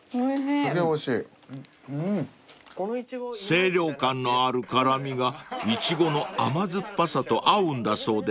［清涼感のある辛味がイチゴの甘酸っぱさと合うんだそうです］